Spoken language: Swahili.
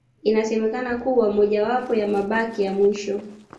Inasemekana kuwa mojawapo ya mabaki ya mwisho